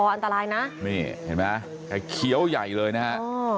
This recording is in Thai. อันตรายนะนี่เห็นมั้ยเนี่ยเขียวใหญ่เลยนะฮะ